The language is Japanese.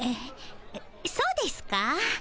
そうですか？